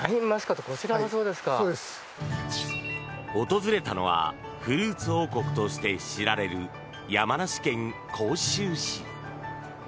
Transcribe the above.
訪れたのはフルーツ王国として知られる山梨県甲州市。